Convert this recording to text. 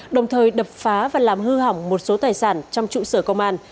đồng thời đập phá và làm hư hỏng một số tài sản trong trụ sở công an